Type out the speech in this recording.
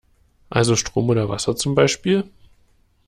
Also Strom oder Wasser zum Beispiel?